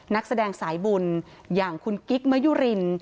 นักแสดงสายบุญอย่างคุณกิ๊กมะยุริน